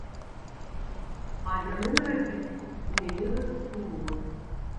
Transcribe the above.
А яны нарадзіліся, і мяне гэта спыніла.